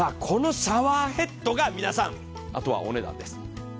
このシャワーヘッドが皆さんあとはお値段です。